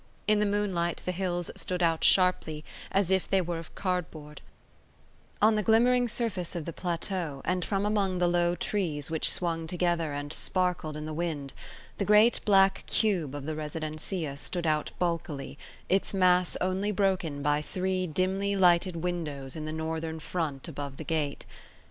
In the moonlight the hills stood out sharply, as if they were of cardboard; on the glimmering surface of the plateau, and from among the low trees which swung together and sparkled in the wind, the great black cube of the residencia stood out bulkily, its mass only broken by three dimly lighted windows in the northern front above the gate.